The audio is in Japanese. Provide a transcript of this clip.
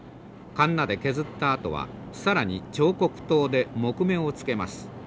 カンナで削ったあとは更に彫刻刀で木目をつけます。